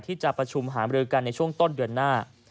ที่จะประชุมหามรือกันในช่วงต้นเดือนหน้า